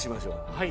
はい。